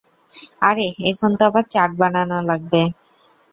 আরে, এখন তো আবার চার্ট বানানো লাগবে!